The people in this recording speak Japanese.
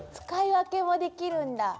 使い分けもできるんだ。